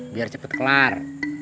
biar cepet kelar